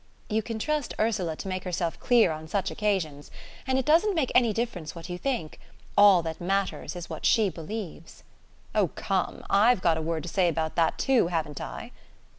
"You can trust Ursula to make herself clear on such occasions. And it doesn't make any difference what you think. All that matters is what she believes." "Oh, come! I've got a word to say about that too, haven't I?"